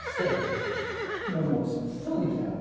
もうすぐできたよな？